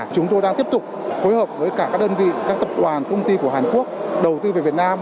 chúng tôi đang tiếp tục phối hợp với cả các đơn vị các tập đoàn công ty của hàn quốc đầu tư về việt nam